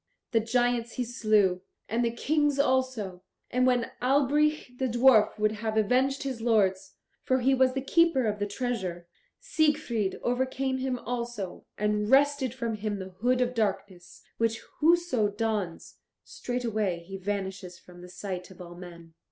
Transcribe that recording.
The giants he slew, and the Kings also, and when Albrich the dwarf would have avenged his lords for he was the keeper of the treasure Siegfried overcame him also, and wrested from him the Hood of Darkness, which whoso dons, straightway he vanishes from the sight of all men.